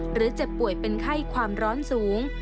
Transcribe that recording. เจ็บป่วยเป็นไข้ความร้อนสูง